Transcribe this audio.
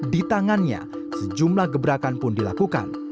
di tangannya sejumlah gebrakan pun dilakukan